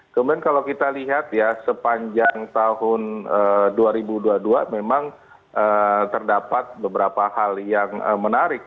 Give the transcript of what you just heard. kemudian kalau kita lihat ya sepanjang tahun dua ribu dua puluh dua memang terdapat beberapa hal yang menarik